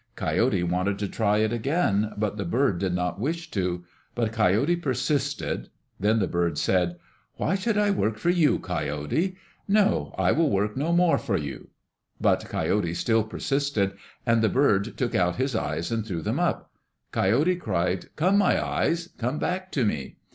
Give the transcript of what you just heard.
Coyote wanted to try it again, but the bird did not wish to. But Coyote persisted. Then the bird said, "Why should I work for you, Coyote? No, I will work no more for you." But Coyote still persisted, and the bird took out his eyes and threw them up. Coyote cried, "Come, my eyes, come back to me."